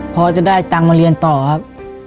พอจะได้ตังค์มาเรียนต่อครับ